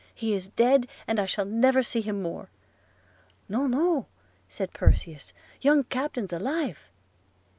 He is dead, and I shall never see him more!' 'No, no,' said Perseus, 'young captain's alive!'